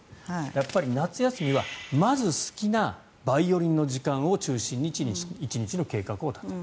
やっぱり夏休みはまず好きなバイオリンの時間を中心に１日の計画を立てる。